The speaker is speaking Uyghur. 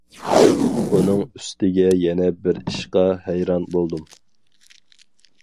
ئۇنىڭ ئۈستىگە يەنە بىر ئىشقا ھەيران بولدۇم.